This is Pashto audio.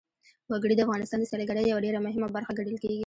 وګړي د افغانستان د سیلګرۍ یوه ډېره مهمه برخه ګڼل کېږي.